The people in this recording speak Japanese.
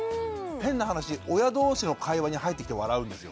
変な話親同士の会話に入ってきて笑うんですよ。